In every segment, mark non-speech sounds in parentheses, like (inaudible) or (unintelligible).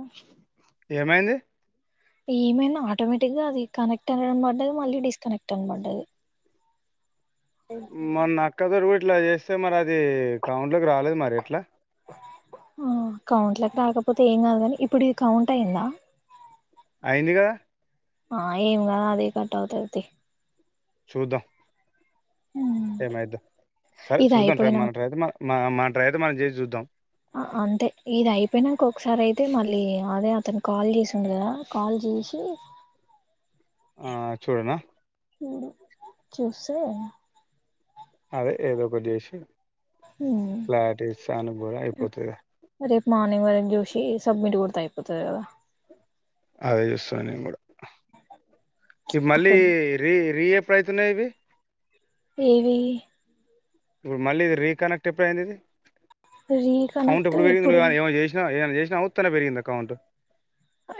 ఓ ఏమైంది ఏమైంది ఆటోమేటిక్ గా అది కనెక్ట్ అని పడ్డది మళ్ళీ డిస్కనెక్ట్ అని పడ్డది మొన్న అక్క తోని గుడా ఇట్లా చేస్తే మరి అది కౌంట్ లోకి రాలేదు మరి ఎట్లా ఆ కౌంట్లకు రాకపోతే ఏం కాదుని ఇప్పుడు ఇది కౌంట్ అయ్యందా అయింది గా ఆ ఏం కాదు అదే కట్ అవుతది తీ చూద్దాం ఏమయిద్దో సరే ఇది చూద్దాం మన అయిపోయినాక ట్రై ఐతే మ మనం చేసి చూద్దాం అంతే ఇది అయిపోయినాక ఒకసారి అయితే మళ్ళీ అదే అతను కాల్ చేసిండు కదా కాల్ చేసి ఆ చూడనా ఇడు చూసే అదే ఏద ఒక జేసి హ్మ్ అయిపోతుంది రేపు మార్నింగ్ వరకు జుషి ఏ సబ్మిట్ కొడుతే అయిపోతది కదా అదే చూస్తా నేను కూడా ఈ మళ్ళీ రే రేప్ పైతున్నాయి ఇవి ఏవి ఇప్పుడు మళ్ళీ ఇది రీకనెక్ట్ ఎప్పుడయింది ఇది కౌంట్ రీకనెక్ట్ ఎప్పుడు పెరిగింది ఇప్పుడు నువ్వు ఏమో చేసినా ఏమన్నా చేసినవా ఊత్తనే పెరిగిందా కౌంటు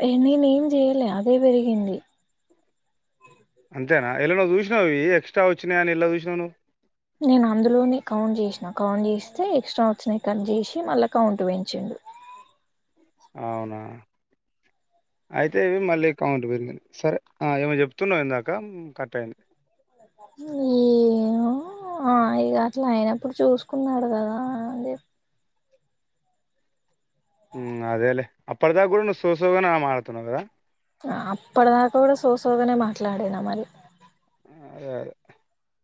ఎ నేనేం చెయలే అదే పెరిగింది అంతేనా ఎల్లనో చూసినవ్ ఎస్ట్రా వచ్చినయా అని ఏళ్ల చూసినవ్ నువ్ నేను అందులోనే కౌంట్ చేసినా కౌంట్ చేస్తే ఎక్స్ట్రా వోచ్చినాయి ని కట్ చేసి మళ్ళా కౌంట్ పెంచిండు అవునా అయితే ఇవి మళ్ళీ కౌంట్ పెరిగిందండి సరే ఏమో చెప్తున్నాయిందాక కట్ అయింది హ్మ్మ్ ఏమో ఆ ఇగ అట్లా అయినప్పుడు చూసుకున్నాడు కదా అని చె ఉ అదేలే అప్పదాకా కూడా సోసోగనే మాట్లాడుతున్నావు గద అప్పటి దాకా కూడా సోసోగానే మాట్లాడినా మరి అ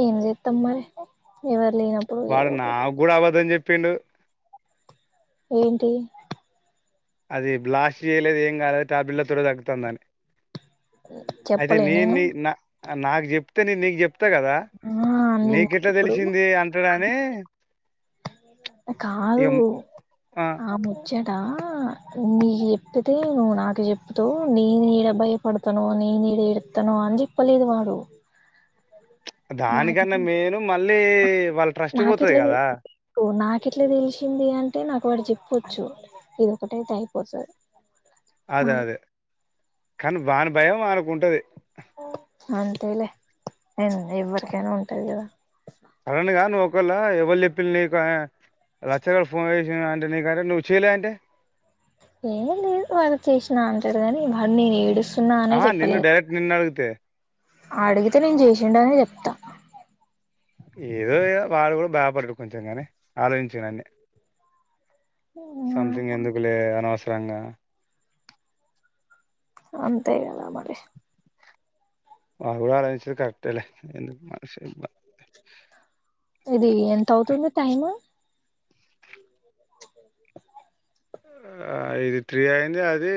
ఏం జేతం మరి ఎవ వాడు నాకు కూడా ఆపద్ధం చెప్పిండు ఏంటి అది బ్లాస్ట్ చేయలేదు ఏం కాలేదు టాబ్లెట్ తోనే తగ్కుతాందాని అయితే చెప్పలే నే నేను నీ నా నాకు చెప్తే నేను నీకు చెప్తా త్తా కదా ఆ నిన్ నీకెట్లా ఇప్పుడు తెలిసింది అంటడా అని కాదు ఆ ము ముచట నీకు చెప్పితే నువ్వు నాకు చెప్తవు నేను యాడ భయపడతానో అని నేను ఏడ ఏడుతానో అని చెప్పలేదు వాడు దానికన్నా నాకి మేను మళ్ళీ వాళ్ళ ట్రస్ట్ పోతది కదా ఎట్లా తెలిసింది అంటే నాకు వాడు చెప్పొచ్చు ఇదిొఒకటైతే అయిపోతుంది అదే అదే కానీ వాని భయం వనికి ఉంటది అంతేలే అం ఎవ్వరికైనా ఉంటది కదా లా ఎవరు చెప్పిల్ని లచ్చగాలు ఫోన్ చేసిండు అంటే గానీ నువ్వు చేయలే అంటే ఏ లేదు వాడు చేసినా అంటాడు కాని వాడు నేను ఏడుస్త ఆ నిన్ను డైరెక్ట్ నిన్ను అడిగితే అడిగితే నేను చేసిండు అనే చెప్తా ఏదో ఏదో వాడు కూడా బాయపడారు కొంచెం కాని ఆలోచించు కొని అన్ని సంథింగ్ ఎందుకులే అనవసరంగా అంతే గద మరి వాడు ఆలోచించేది కూడా కరెక్ట్ యే లే ఇది ఎంత అవుతుంది టైమ్ (inaudible) ఇది త్రీ అయింది అది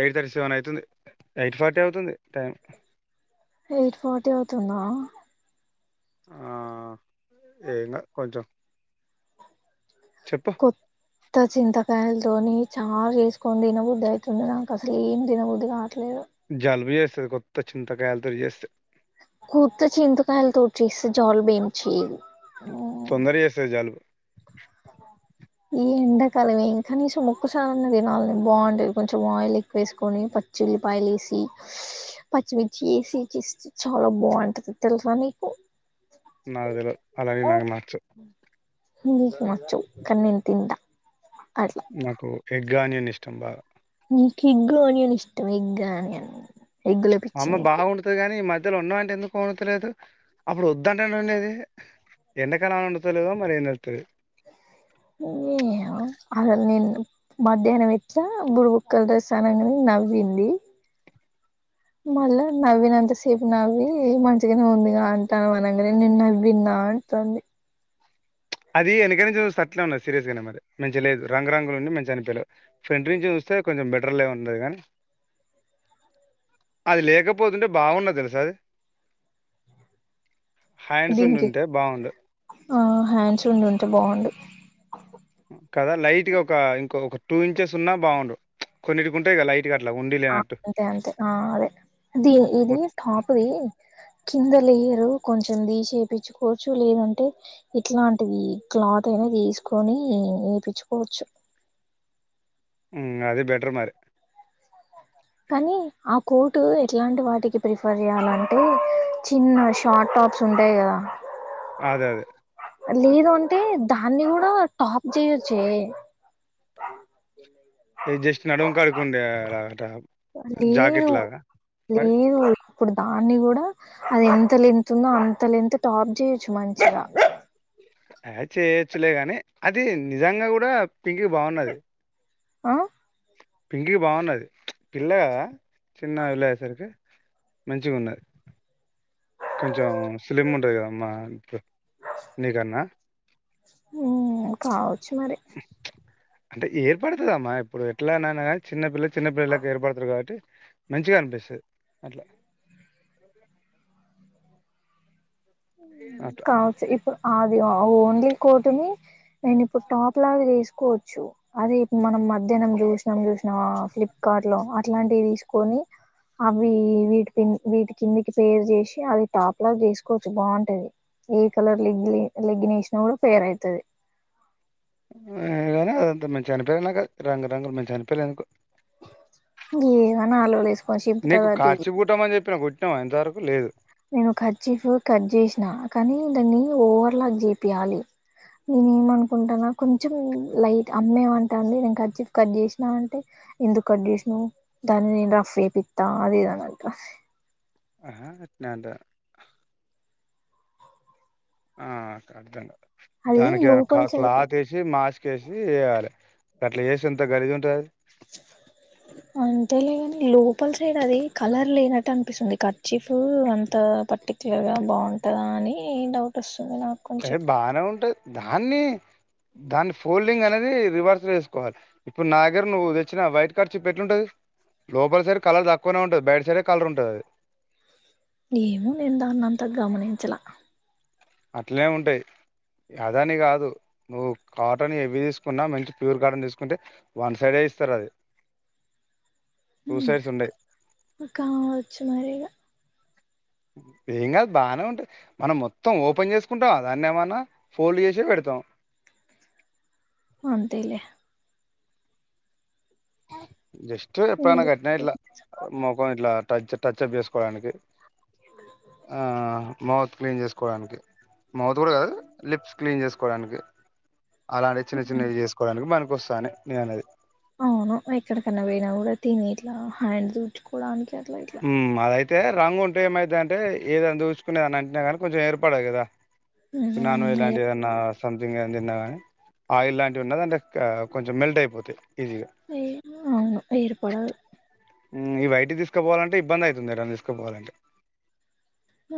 ఎయిట్ థర్టీ సెవెన్ అవుతుంది ఎయిట్ ఫార్టీ అవుతుంది టైం ఎయిట్ ఫార్టీ అవుతుందా ఆ చేయిలా కొంచం కొత్త చింత కాగాయలతోని చాలా చేసుకొని దినబుద్ధి అయితుంది నాకు అసలు ఏం దినబుద్ధి కావట్లేదు జలుబు చేస్తది కొత్త చింతకాయలతో చేస్తే కుర్తే చింతో కాయాల తరచ జల్ బెమ్ చీ తొందర చేస్తే జాలు ఈ ఎండాకలువిేం కనీసం ముక్కకుసారన్న తినాలని బాగుంటేది కొంచెం ఆయిల్ ఎక్కువ వేసుకొని ఉల్లిపాయలు వేసి పచ్చిమిర్చి వేసి చేస్త చాలా బాగుంటది తెలసనికు నాకు తెలువదు అలాగే నాకు నచ్చవు నీకు నచ్చవు కానీ నేను తింట నాకు ఎగ్ ఆనియన్ ఇష్టం బాగా నీకు ఎగ్ ఆనియన్ ఇష్టమా ఎగ్ అన్ మా అమ్మ బాగుంటది కాని మ మద్దలు ఉన్నాంటే ఎందుకు కోనతలేదు అప్పుడు వద్దంటేనే ఉండది (unintelligible) ఏమో అసలు నిన్ను మధ్యాహ్నం ఇచ్చ బుడిబక్కల డ్రెస్ అనగానే నవ్వింది మళ్ళా నవ్వినంతసేపు నవ్వి మంచిగానే ఉందిగా అంటానవ్ అన్నది నేను నవ్వి నా ఆ అంటుంది అది ఎనక నుంచి చుస్తే అట్లే ఉన్నది సీరియస్ గానే మరి మంచిగా లేదు రంగురంగులు ఉండి మంచిగా అనిపియలేదు. ఫ్రెంట్ నుంచి చూస్తే కొంచెం బెటర్లే ఉంటది గనీ అది లేకపోతుంటే బాగున్నది తెలుసా అది హ్యాండ్స్ దీనికి ఉండుంటే బాగుండు అవును హ్యాండ్స్ ఉండుటె బాగుండు కదా లైట్ గా ఒక ఇంకో టూ ఇంచెస్ ఉన్నా బాగుండు కొన్నిటికి ఉంటయిగ లైట్ గా అట్లా ఉండి ఆ లేనట్టు అంతే అంతే ఆ అదే దీంది మొత్ టాప్ది కింద లేయరు కొంచెం తీసి ఏపించుకోవచ్చు లేదంటే ఇట్లాంటిది క్లాత్ నువు తీసుకొని ఏపించుకోవచ్చు (inaudible) హ్మ్ అదె బెటర్ మరి కానీ ఆ కోర్టు ఎట్లాంటి వాటికి ప్రిఫర్ చేయాలంటే చిన్న షార్ట్ టాప్స్ ఉంటయి గదా అదే అదే లేదు అంటే దాన్ని గుడా టాప్ చేయొచ్చే జస్ట్ నడుము కడికుండే లాగ టాప్ జాకెట్ లేదు లాగా మరి లేదు ఇప్పుడు దాన్ని గుడా అది ఎంత లెంత్ ఉందో అంత లెంత్ టాప్ చేయొచ్చు మంచిగా (unintelligible) చేయొచ్చులే గానీ అది నిజంగా గుడా పింకి కి బాగున్నది ఆ పింకికి బాగున్నది పిల్ల గదా చిన్న వొళ్ళయేసరికి మంచిగున్నది కొంచెం స్లిమ్ ఉంటుంది కదమ్మా ఇప్పుడు నీకన్నా ఉమ్ కావచ్చు మరి అంటే ఏర్పడతదమ్మా ఇప్పుడు ఎట్లాయినైనా కానీ చిన్నపిల్ల చిన్నపిల్లలకి ఏర్పడతారు కాబట్టి మంచిగా అనిపిస్తది. అట్లా అట్లా కావచ్చు ఇప్పుడు అది ఓన్లీ కోటుని నేను ఇప్పుడు టాప్ లాగా ఏసుకోవచ్చు అది మనం మధ్యాహ్నం చూసినం చూసినవా ఫ్లిప్కా వాట్ల అట్లాంటివి తీసుకొని అవి వీటిి కిం వీటి కిందికి పేరు చేషి అది టాప్లాగా ఏసుకోవచ్చు బాగుంటది. ఏ కలర్ లెంగిన్ లెంగినేషినా కూడా ఫేర్ అయితది గనీ అదంతా మంచి అనిపియలే నాకది రంగురంగులు మంచి అనిపియలే నాకు ఏమన్నా ఆలువలు వేసుకొని నీకు చింపుతదట ఇది కర్చిఫ్ కుట్టామని చెప్పిన కు కుట్టినవా ఇంతవరకు లేదు నేను కర్చిఫ్ కట్ చేసిన కానీ దన్ని ఓవర్ లాగ చేపియాలి నేను ఏమనుకుంటానా కొంచెం లైట్ అమ్మేమంటంది నేను కర్చిఫ్ కట్ చేసినా అంటే ఎందు కట్ చేసినవ్ దాన్ని నేను డ్రెస్ చేపిత్త అది ఇది అని అట్రా ఆహా ఇట్నే ఉంటది ఆ హా అర్థంగా అది దానికి ఏదన్న లోపల క్లా సైడ్ క్లాత్ యెషి చేసి ఏయ్యలి గట్లా చేస్తే ఎంత గలీజ్ ఉంటది అది అంతేలే గని లోపల సైడ్ అది కలర్ లేనట్టు అనిపిస్తుంది కర్చిఫ్ అంత ఎలా తప్పించి ఎలా బాగుంటదా అని డౌట్ వస్ ఎహే బానే ఉంటది దాన్ని దాని ఫోల్డింగ్ అనేది రివర్స్ వేసుకోవాలి ఇప్పుడు నా దగ్గర నువ్వు తెచ్చిన వైట్ కర్చీఫ్ ఎట్లుంటది. లోపల సైడ్ కలర్ తక్కువనే ఉంటది బయటి సైడే కలర్ ఉంటది అది ఏమె నేను దాన్నంతా గమనించ అట్లే ఉంటయి ఇగ అదని గాదు నువ్వు కాటన్ ఏవ్వి తీసుకున్నా మంచి ప్యూర్ కాటన్ తీసుకుంటే వన్ సైడే ఇస్తరది కావచ్చు మరి ఇగ ఏం కాదు బాగానే ఉంటాది మనం మొత్తం ఓపెన్ చేసుకుంటాం దాన్ని ఏమన్నా ఫోల్డ్ చేసి పెడత తం అంతేలే జస్ట్ ఎప్పన కట్న ఇట్లా ఎందుకు మోఖం ఇట్ టచ్ప్ చేసుకోవడానికి ఆ మౌత్ క్లీన్ చేసుకోవడానికి మౌత్ కూడా కాదు లిప్స్ క్లీన్ చేసుకోవడానికి అలాంటి చిన్న చిన్నవి చేసుకోవడానికి మనకు వస్తానే నే అనేది అవును ఎక్కడకన్నా పోయినా కూడా తిని ఇట్లా హ్యాండ్ దుడ్చుకోవడానికి ఉ అదైతే అయితే రంగు ఉంటే ఏమైత అంటే ఏదైనా దూచుకునే అని అంటున్నా కానీ కొంచెం ఏర్పడ కదా న్నాను ఉమ్, ఇలాంటి ఏ- ఏదన్నా సథింగ్ తిన్నా కాని ఆయిల్ లాంటివి ఉన్న అంటే కొంచెం మెల్ట్ అయిపోతాయి ఈజీగా ఏ అవును ఏర్పడల్ ఈ బయటి తీసుకుపోవాలంటే ఇబ్బంది అవుతుందిని తీసుకుపోవాలంటే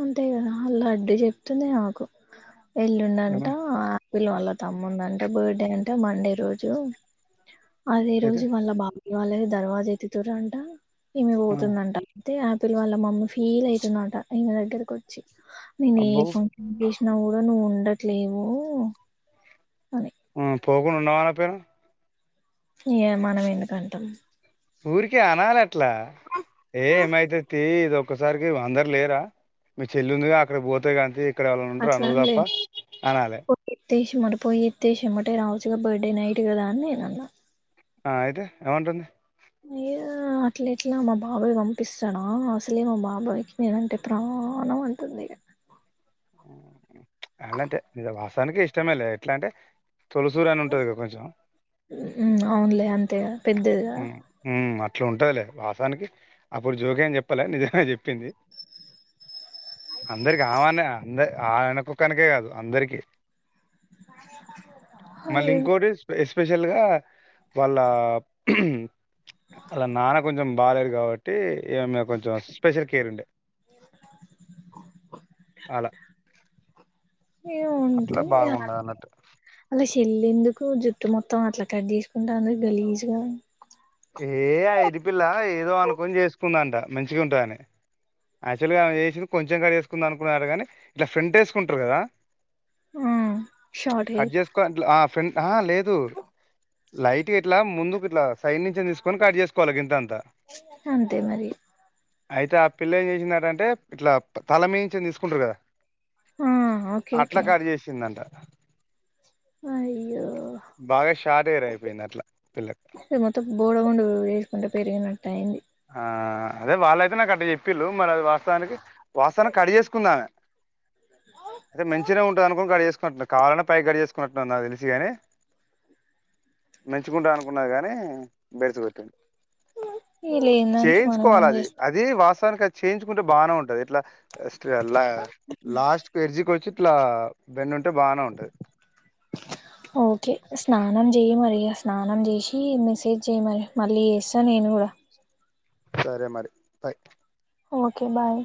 అంతే కదా అలా లడ్డు చెప్తుంది నాకు ఏమ ఎల్లుండంట పిల్ల వాళ్ళ తమ్మున్దంట బర్త్డే అంటే మండే రోజు అదే అయితే రోజు వాళ్ళ బా ఇ వాళే దర్వాజా ఎత్తితుర్ అంటా ఈమె ఆ పోతుందంట అయితే ఆపిల్ వాళ్ళ మమ్మీ ఫీల్ అయితుందట ఈయన దగ్గరికి వచ్చి నేను అబ్బో ఈ ఫంక్షన్ నువ్వు గా నువ్వు ఉండట్లేవు అని హ్మ్ పోకుండా ఉండవాన్న పేరు ఏ మనం ఎందుకంటాం ఊరికే అనాలి అట్లా ఏ ఏమైతే తెలీదు ఒక్కసారికి అందరు లేరా మీ చెల్లుందిగా అక్కడ పోతే (unintelligible) ఇక్కడ ఎవరు ఉండరా అట్లా నువ్వు అనలే తప్ప అనాలే (unintelligible) రావచ్చుగా బర్త్డే నైట్ కదా అని నేను అన్నా ఆ అయితే ఏమంటుంది ఏ అట్ల ఎట్లా మా బాబాయి పంపిస్తాడా అసలే మా బాబాయికి నేనంటే ప్రాణం అతుంది అలాంటే నిజ వాసానికి ఇష్టమే లే ఎట్లా అంటే తొలిసూరు అని ఉంటది గ కొంచెం అవునులే అంతే కదా పెద్దది కదా హ్మ్ మ్మ్ ఇట్లా ఉంటదిలే వాసానికి అప్పుడు జోక్ ఏం చెప్పలే నిజమే చెప్పింది అందరికి అమనే అందరి ఆయనకు ఒక్కనకే కాదు అందరికిీ మళ్ళీ అయ్యుండి ఇంకోటి ఎస్పెషల్ గా వాళ్ళ ఆళ్ళ నాన కొంచం బాలే (unintelligible) కాబట్టి ఈ అమ్మాయి కొంచెం స్పెషల్ కేర్ ఉండే అలా ఏ అట్లా ఉంటే బాగుండదు అన్నట్టు అలా పిల్లెందుకు జుట్టు మొత్తం అట్లా కట్ చేసుకుంటాంది గలీజుగా ఏ ఆ ఎది పిల్ల ఏదో అనుకొని చేసుకుందంట మంచిగా ఉంటదని యాక్చువల్గా అమె చేసింది కొంచెం గా చేసుకుంది అనుకున్నారు గాని ఇట్లా ఫ్రెంట్ ఏసుకుంటారు కదా ఆ షార్ట్ కట్ హెయిర్ చేసుకో ఆ ఫ్రెండ్ ఆహ్ లేదు లైట్ గిట్లా ముందుకు ఇట్లా సైడ్ నుంచిని తీసుకొని కట్ చేసుకోవాలి గంత అంత అంతే మరి అయితే ఆ పిల్ల ఏం చేసిందటంటే ఇట్లా తల మీంచే తీసుకుంటారు కదా ఆ ఓకే అట్ల ఓకే కడు చేసిందంట అయ్యో బాగా షాట్ హేర్ అయిపోయింది అట్లా పిల్లకు (inaudible) మొత్తం బోడగుండు వేసుకుంటే పెరిగినట్టు అయింది ఆ అదే వాళ్ళైతే నాకు అట్ట చెప్పిళ్ళు మరది వాస్తవానికి వాస్తవాన్ని కడు చేసుకుందామే అయితే మంచిగనే ఉంటాది అనుకోని కడు చేసు సుకు కాలాను పై గడి చేసుకున్నట్న్నా నాకు తెలిసిగాని మంచుకుంటా అనుకున్నది కానీ బెడిచి పెట్టిను ఇగ లేని దానికి మనం చేయించుకోవాలి ఏం అది చేస్తాం అది వాస ానికిది చేయించుకుంటే బాగానే ఉంటది ఇట్లా లాస్ట్ ఎర్జీకి వచ్చి ఇట్లా బన్ను ఓకే స్నానం చేయ మరి ఆ స్నానం చేసి మెసేజ్ చేయ మరి మళ్ళీ చేస్తాను నేను కూడా సరే మరి బై్ ఓకే బాయ్